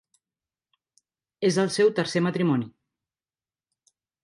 És el seu tercer matrimoni.